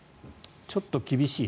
ちょっと厳しい。